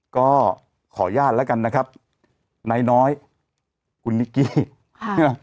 ก็ขออนุญาตแล้วกันนะครับนายน้อยคุณนิกกี้ค่ะ